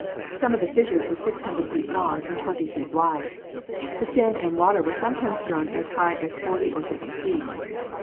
Some of the fissures were six hundred feet long and twenty feet wide. The sand and water was sometimes thrown as high as forty or fifty feet.